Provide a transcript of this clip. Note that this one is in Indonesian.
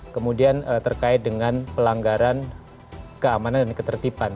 kemudian terkait dengan pelanggaran keamanan dan ketertiban